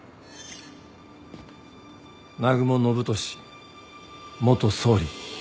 南雲信敏元総理。